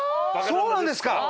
そうなんですか。